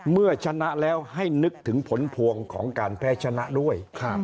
เมื่อชนะแล้วให้นึกถึงผลพวงของการแพ้ชนะด้วย